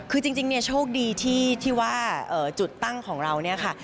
คือจริงเนี่ยโชคดีที่ว่าจุดตั้งของเราเนี่ยค่ะ